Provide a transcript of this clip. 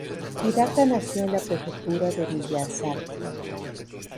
Hidaka nació en la prefectura de Miyazaki.